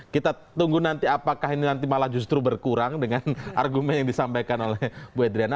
kita tunggu nanti apakah ini nanti malah justru berkurang dengan argumen yang disampaikan oleh bu edriana